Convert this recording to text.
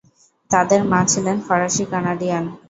তাদের মা ছিলেন ফরাসি কানাডিয়ান।